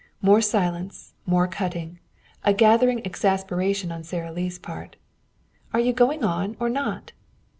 More silence, more cutting, a gathering exasperation on Sara Lee's part. "Are you going on or not?"